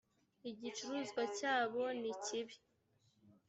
igicuruzwa cyabo nikibi.